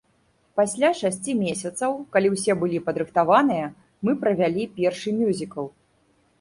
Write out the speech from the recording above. Пасля шасці месяцаў, калі ўсе былі падрыхтаваныя, мы правялі першы мюзікл.